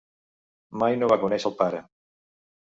Mai no va conèixer el pare.